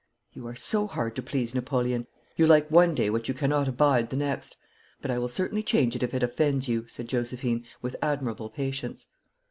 'You are so hard to please, Napoleon. You like one day what you cannot abide the next. But I will certainly change it if it offends you,' said Josephine, with admirable patience.